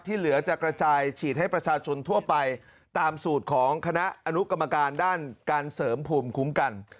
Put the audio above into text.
เหลือจะกระจายฉีดให้ประชาชนทั่วไปตามสูตรของคณะอนุกรรมการด้านการเสริมภูมิคุ้มกัน